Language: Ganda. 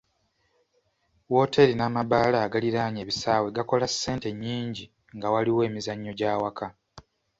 Wooteeri n'amabaala agaliraanye ebisaawe gakola ssente nnyingi nga waliwo emizannyo gy'awaka.